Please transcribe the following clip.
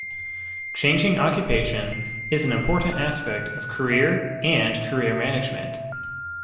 Changing occupation is an important aspect of career and career management.